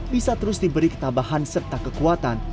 bisa terus diberi ketabahan serta kekuatan